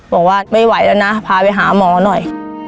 บอกว่าไม่ไหวแล้วนะพาไปหาหมอหน่อย